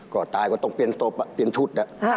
ก่อนตายก็ต้องเปลี่ยนชุด